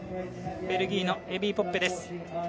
ベルギーのエビー・ポッペです。